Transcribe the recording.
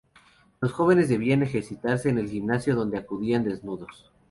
Los jóvenes debian ejercitarse en el gimnasio donde acudían desnudos.